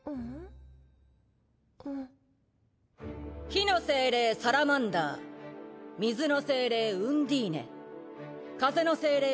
火の精霊サラマンダー水の精霊ウンディーネ風の精霊